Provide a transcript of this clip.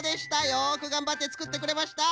よくがんばってつくってくれました。